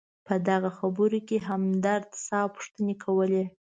په دغه خبرو کې همدرد صیب پوښتنې کولې.